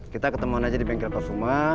kita ketemuan aja di bengkel kusuma